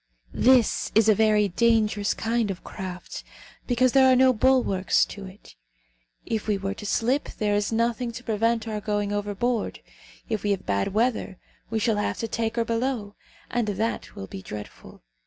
"This is a very dangerous kind of craft, because there are no bulwarks to it. If we were to slip, there is nothing to prevent our going overboard. If we have bad weather, we shall have to take her below, and that will be dreadful.